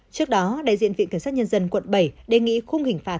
trước đó đại diện viện cảnh sát nhân dân quận bảy đề nghị không hình phạt